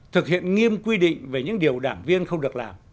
thực hiện nghiêm quy định về những điều đảng viên không được làm